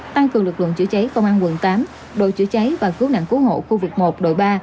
tăng cường lực lượng chữa cháy công an quận tám đội chữa cháy và cứu nạn cứu hộ khu vực một đội ba